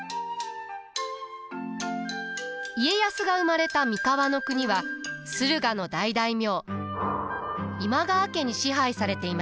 家康が生まれた三河国は駿河の大大名今川家に支配されていました。